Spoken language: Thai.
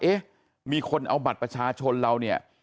เอ๊ะมีคนเอาบัตรประชาชนเราเนี่ย